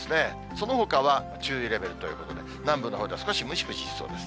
そのほかは注意レベルということで、南部のほうでは少しムシムシしそうです。